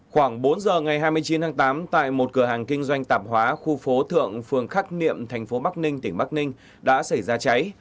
khoảng bốn giờ ngày hai mươi chín tháng tám tại một cửa hàng kinh doanh tạp hóa khu phố thượng phường khắc niệm thành phố bắc ninh tỉnh bắc ninh đã xảy ra cháy